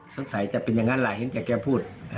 ทักใสจะเป็นอย่างนั้นเห็นแต่แกพูด